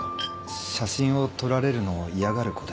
写真を撮られるのを嫌がる子で。